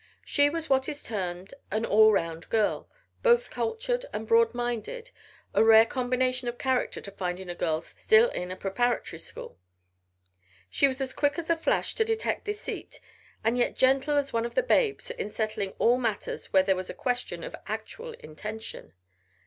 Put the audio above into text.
She was what is termed an all round girl, both cultured and broad minded, a rare combination of character to find in a girl still in a preparatory school. She was as quick as a flash to detect deceit and yet gentle as one of the Babes in settling all matters where there was a question of actual intention.